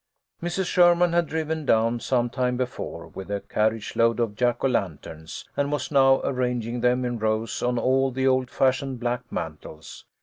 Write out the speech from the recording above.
Mrs. Sherman had driven down some time before, with a carriage load of Jack o' lanterns, and was now arranging them in rows on all the old fashioned black mantels.